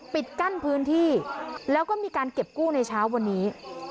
ปิดกั้นพื้นที่แล้วก็มีการเก็บกู้ในเช้าวันนี้